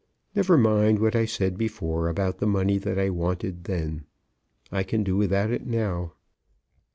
Never mind what I said before about the money that I wanted then. I can do without it now.